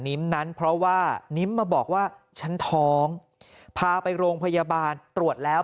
นั้นเพราะว่านิ้มมาบอกว่าฉันท้องพาไปโรงพยาบาลตรวจแล้ว